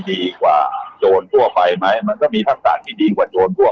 ดีกว่ายนต์ทั่วไว้ไหมมันก็มีภาษาที่ดีกว่ายนต์ทั่ว